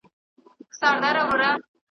بیا به کله راسي، وايي بله ورځ .